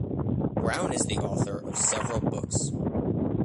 Brown is the author of several books.